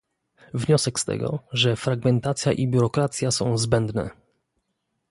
Wniosek z tego, że fragmentacja i biurokracja są zbędne